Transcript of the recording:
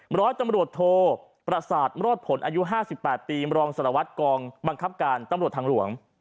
ร้อยตำรวจโทประสาทรอดผลอายุ๕๘ปีมรองสารวัตรกองบังคับการตำรวจทางหลวง